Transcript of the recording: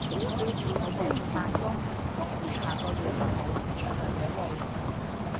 你繼續扮工，公司下個月就無錢出糧畀你